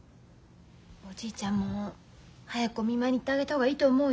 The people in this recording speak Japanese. おじいちゃんも早くお見舞いに行ってあげた方がいいと思うよ。